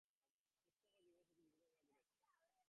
উৎসাহ এবং জীবনীশক্তির রীতিমতো অভাব ঘটিয়াছে।